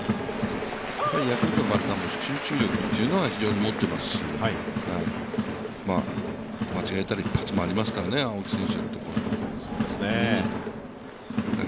ヤクルトのバッターも集中力は非常に持っていますし間違えた一発もありましたけれども、青木選手のところとか。